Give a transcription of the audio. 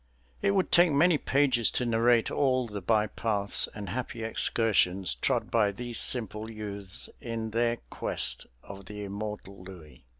It would take many pages to narrate all the bypaths and happy excursions trod by these simple youths in their quest of the immortal Louis.